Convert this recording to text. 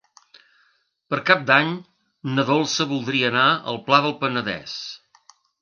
Per Cap d'Any na Dolça voldria anar al Pla del Penedès.